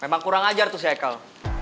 memang kurang ajar tuh si ekel